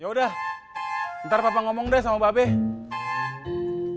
yaudah ntar papa ngomong deh sama bapak